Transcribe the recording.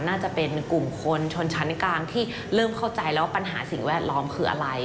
น่าจะเป็นกลุ่มคนชนชั้นกลางที่เริ่มเข้าใจแล้วว่าปัญหาสิ่งแวดล้อมคืออะไร